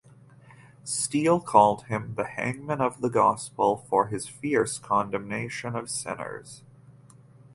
Steele called him the "Hangman of the Gospel" for his fierce condemnation of sinners.